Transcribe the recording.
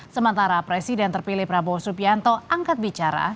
sementara presiden terpilih prabowo subianto angkat bicara